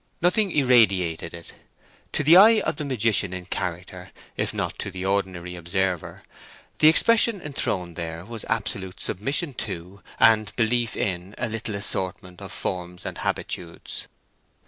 Nothing irradiated it; to the eye of the magician in character, if not to the ordinary observer, the expression enthroned there was absolute submission to and belief in a little assortment of forms and habitudes.